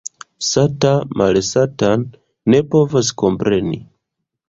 Sata malsatan ne povas kompreni.